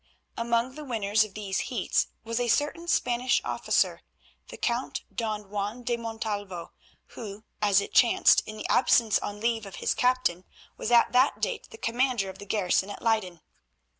Among the winners of these heats was a certain Spanish officer, the Count Don Juan de Montalvo, who, as it chanced, in the absence on leave of his captain, was at that date the commander of the garrison at Leyden.